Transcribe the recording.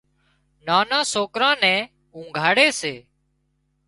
نانان سوڪران نين اونگھاڙي سي